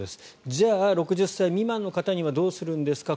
じゃあ６０歳未満の方にはどうするんですか。